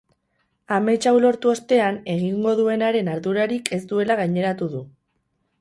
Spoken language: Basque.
Amets hau lortu ostean, egingo duenaren ardurarik ez duela gaineratu du.